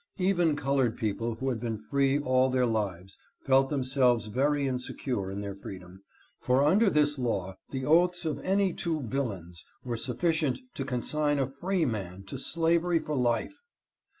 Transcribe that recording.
Even colored people who had been free all their lives felt themselves very insecure in their freedom, for under this law the oaths of any two villains were sufficient to consign a free man to slavery for life.